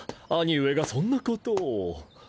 兄上がそんなことを